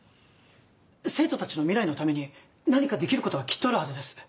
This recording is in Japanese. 生徒たちの未来のために何かできることはきっとあるはずです。